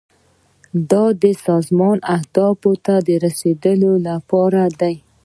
دا د سازمان اهدافو ته د رسیدو لپاره دي.